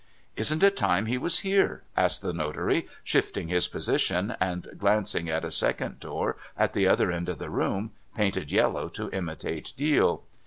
' Isn't it time he was here ?' asked the notary, shifting his position, and glancing at a second door at the other end of the room, painted yellow to imitate deal.